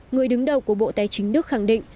người đứng đầu của bộ tài chính đức khẳng định